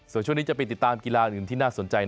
ส่วนช่วงนี้จะไปติดตามกีฬาอื่นที่น่าสนใจ